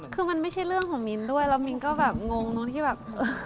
คือมันไม่ใช่เรื่องของมิ้นด้วยแล้วมิ้นก็แบบงงตรงที่แบบ